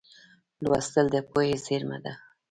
لوستل د پوهې زېرمه ده.